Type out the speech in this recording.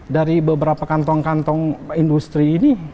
dari beberapa kantong kantong industri ini